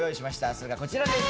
それがこちらです。